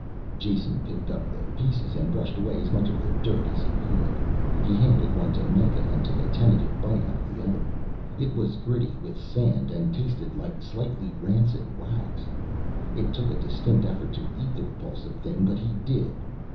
Jason picked up the pieces and brushed away as much of the dirt as he could. He handed one to Mikah and took a tentative bite out of the other one: it was gritty with sand and tasted like slightly rancid wax. It took a distinct effort to eat the repulsive thing but he did.